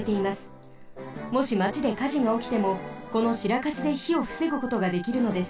もしまちでかじがおきてもこのシラカシでひをふせぐことができるのです。